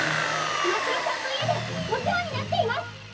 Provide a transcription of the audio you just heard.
ましろさんの家でお世話になっています！